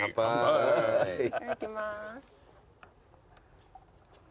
いただきます。